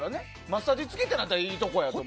マッサージ付きになったらいいとこだけど。